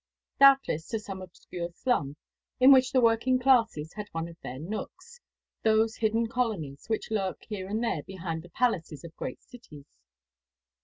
Doubtless to some obscure slum in which the working classes had one of their nooks those hidden colonies which lurk here and there behind the palaces of great cities.